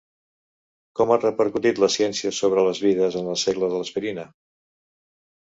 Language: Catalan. Com ha repercutit la ciència sobre les vides en el segle de l’aspirina?